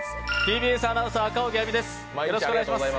ＴＢＳアナウンサー・赤荻歩です。